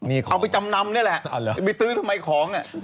เอาไปจำนำเนี่ยแหละไปซื้อทำไมของ